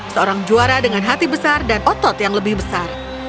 seorang juara dengan hati besar dan otot yang lebih besar